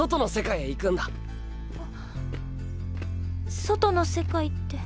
あ外の世界って？